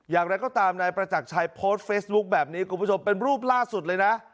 อย่างไรก็ตามนายประจักรชัยโพสต์เฟซบุ๊คแบบนี้คุณผู้ชมเป็นรูปล่าสุดเลยนะ